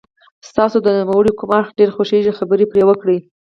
ستاسو د نوموړي کوم اړخ ډېر خوښیږي خبرې پرې وکړئ.